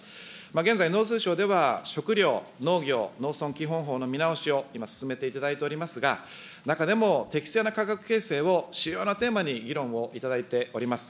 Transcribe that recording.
現在、農水省では食料、農業、農村基本法の見直しを今、進めていただいておりますが、中でも適正な価格形成を主要なテーマに議論をいただいております。